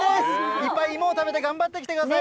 いっぱい芋を食べて頑張ってきてください。